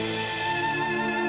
saya udah nggak peduli